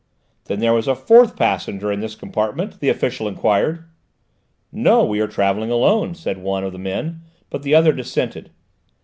"Then there was a fourth passenger in this compartment?" the official enquired. "No, we travelled alone," said one of the men, but the other dissented.